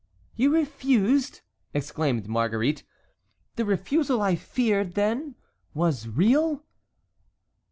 "You refused!" exclaimed Marguerite. "The refusal I feared, then, was real?"